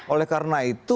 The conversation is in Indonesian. oleh karena itu